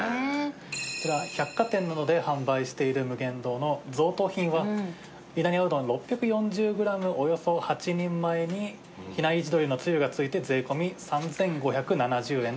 こちら百貨店などで販売している無限堂の贈答品は稲庭うどん６４０グラムおよそ８人前に比内地鶏のつゆが付いて税込３５７０円となっております。